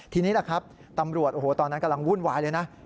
ทีนี้ตำรวจตอนนั้นกำลังวุ่นวายเลยนะ